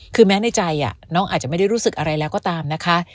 คือแม้ในใจน้องอาจจะไม่ได้รู้สึกอะไรแล้วก็ตามนะคะ